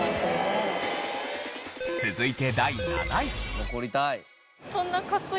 続いて第７位。